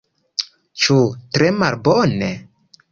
Ĉu tre malbone?